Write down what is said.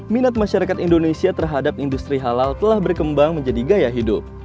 minat masyarakat indonesia terhadap industri halal telah berkembang menjadi gaya hidup